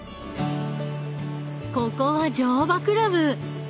ここは乗馬クラブ。